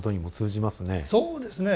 そうですね。